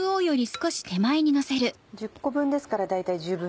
１０個分ですから大体１／１０。